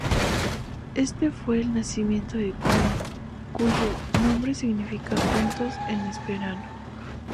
Este fue el nacimiento de Kune, cuyo nombre significa "juntos" en esperanto.